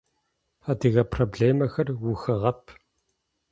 Адыгэ проблемэхэр ухыгъэп.